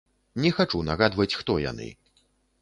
Не хачу нагадваць, хто яны.